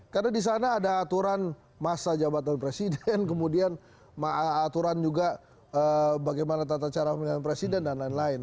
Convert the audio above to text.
karena disana ada aturan massa jabatan presiden kemudian aturan juga bagaimana tata cara pemilihan presiden dan lain lain